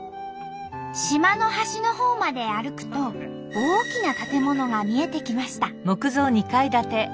島の端のほうまで歩くと大きな建物が見えてきました。